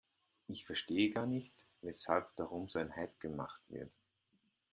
Ich verstehe gar nicht, weshalb darum so ein Hype gemacht wird.